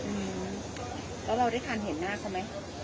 อืม